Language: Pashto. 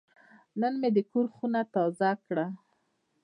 نن مې د کور خونه تازه کړه.